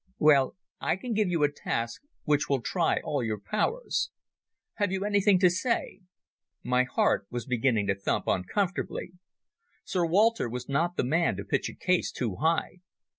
Well, I can give you a task which will try all your powers. Have you anything to say?" My heart was beginning to thump uncomfortably. Sir Walter was not the man to pitch a case too high.